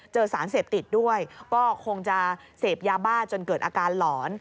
สารเสพติดด้วยก็คงจะเสพยาบ้าจนเกิดอาการหลอน